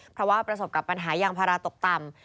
เพราะว่าประสบกับปัญหายางพาราตกต่ำ